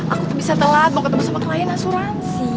aku bisa telat mau ketemu sama klien asuransi